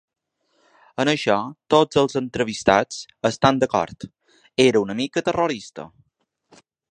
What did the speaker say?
En això tots els entrevistats estan d’acord: era una mica ‘terrorista’.